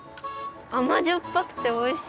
あまじょっぱくておいしい。